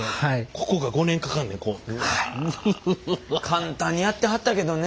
簡単にやってはったけどね。